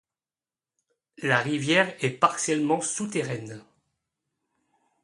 La rivière est partiellement souterraine.